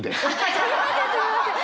すみません！